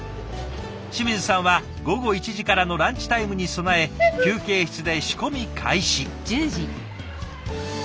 清水さんは午後１時からのランチタイムに備え休憩室で仕込み開始。